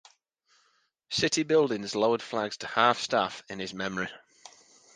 City buildings lowered flags to half staff in his memory.